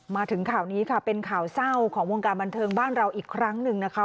มาถึงข่าวนี้ค่ะเป็นข่าวเศร้าของวงการบันเทิงบ้านเราอีกครั้งหนึ่งนะคะ